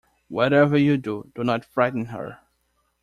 Whatever you do, do not frighten her.